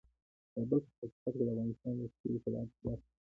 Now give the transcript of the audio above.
کابل په حقیقت کې د افغانستان د ښکلي طبیعت برخه ده.